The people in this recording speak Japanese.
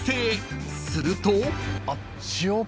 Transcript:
［すると］